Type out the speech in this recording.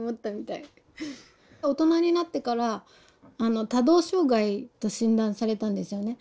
大人になってから多動障害と診断されたんですよね。